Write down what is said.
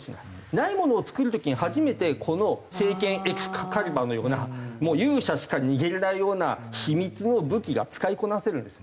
ないものを作る時に初めて聖剣エクスカリバーのようなもう勇者しか握れないような秘密の武器が使いこなせるんですよ。